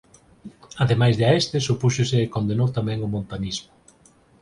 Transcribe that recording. Ademais de a estes opúxose e condenou tamén o montanismo.